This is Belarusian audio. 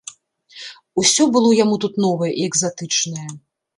Усё было яму тут новае і экзатычнае.